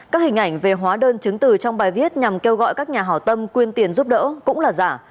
các hình ảnh về hóa đơn chứng từ trong bài viết nhằm kêu gọi các nhà hảo tâm quyên tiền giúp đỡ cũng là giả